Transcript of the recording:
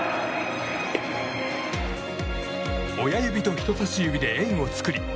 親指と人差し指で円を作り